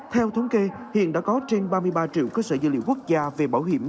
theo thống kê hiện đã có trên ba mươi ba triệu cơ sở dữ liệu quốc gia về bảo hiểm